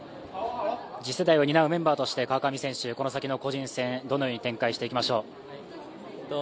次世代を担うメンバーとして川上選手、このあとの個人戦、どのように展開していきましょう？